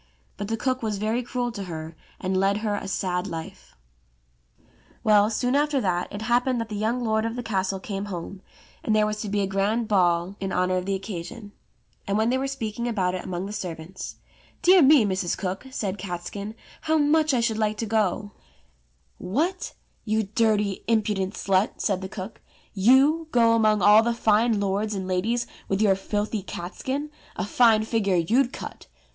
But the cook was very cruel to her, and led her a sad life. Well, soon after that it happened that the young lord of the castle came home, and there was to be a grand ball in She went along, and went along, and went along. To face page i66. a: CATSKIN 167 honour of the occasion. And when they were speaking about it among the servants, "Dear me, Mrs. Cook," said Catskin, "how much I should Hke to go V* "What! You dirty impudent slut," said the cook, "you go among all the fine lords and ladies with your filthy catskin .? A fine figure you'd cut